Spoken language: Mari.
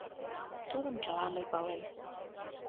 Тудым чыла мый палем.